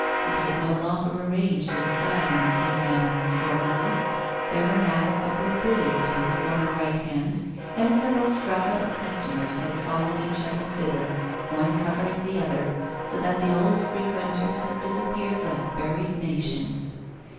It was no longer arranged inside in the same manner as formerly; there were now a couple of billiard tables on the right hand; and several strata of customers had followed each other thither, one covering the other, so that the old frequenters had disappeared like buried nations.